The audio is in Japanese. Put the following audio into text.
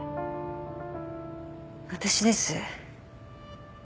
私です。